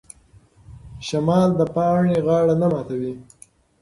شمال د پاڼې غاړه نه ماتوي.